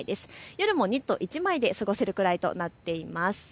夜もニット１枚で過ごせるくらいとなっています。